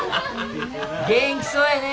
元気そうやね！